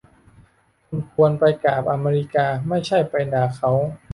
คุณควรไปกราบอเมริกา ไม่ใช่ไปด่าเขา